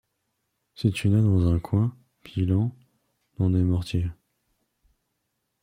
Si tu n’as dans un coin, pilant dans les mortiers